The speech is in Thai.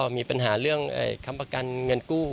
มีปัญหาเรื่องค้ำประกันเงินกู้